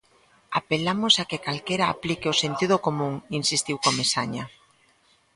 "Apelamos a que calquera aplique o sentido común", insistiu Comesaña.